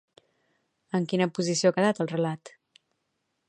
En quina posició ha quedat el relat?